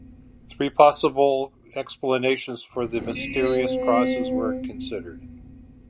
Three possible explanations for the mysterious crosses were considered.